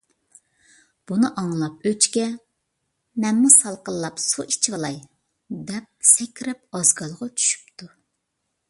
بۇنى ئاڭلاپ ئۆچكە: «مەنمۇ سالقىنلاپ، سۇ ئىچىۋالاي» دەپ سەكرەپ ئازگالغا چۈشۈپتۇ.